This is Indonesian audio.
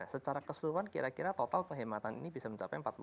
secara keseluruhan kira kira total penghematan ini bisa mencapai empat puluh